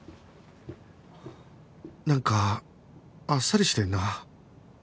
なんかあっさりしてるな